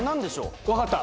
分かった。